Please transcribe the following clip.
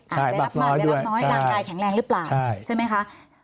หลักใจแข็งแรงรึเปล่าใช่ไหมคะ